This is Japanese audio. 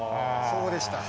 そうでした。